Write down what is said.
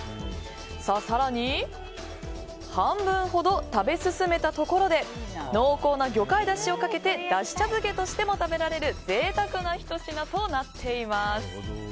更に半分ほど食べ進めたところで濃厚な魚介だしをかけてだし茶漬けとしても食べられる贅沢なひと品となっています。